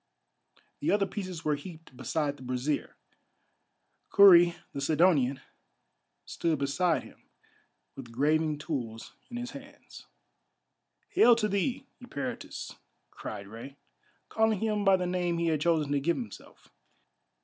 The other pieces were heaped beside the brazier. Kurri, the Sidonian, stood beside him, with graving tools in his hands. "Hail to thee, Eperitus," cried Rei, calling him by the name he had chosen to give himself.